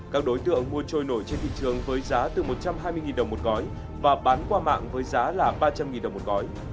các đối tượng mua trôi nổi trên thị trường với giá từ một trăm hai mươi đồng một gói và bán qua mạng với giá là ba trăm linh đồng một gói